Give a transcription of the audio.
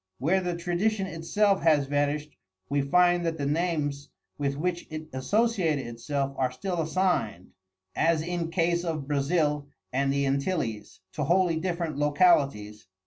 Where the tradition itself has vanished we find that the names with which it associated itself are still assigned, as in case of Brazil and the Antilles, to wholly different localities.